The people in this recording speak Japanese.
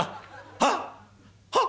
「はっ？はっ？